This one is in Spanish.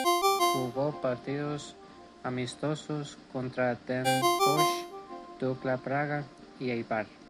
Jugó partidos amistosos, contra Den Bosch, Dukla Praga y Eibar.